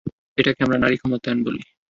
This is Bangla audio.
এটাকে আমরা নারী ক্ষমতায়ন বলি!